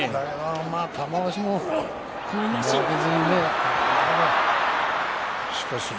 玉鷲も負けずにね。